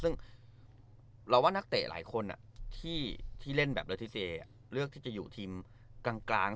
ซึ่งเราว่านักเตะหลายคนที่เล่นแบบเลทิเจเลือกที่จะอยู่ทีมกลาง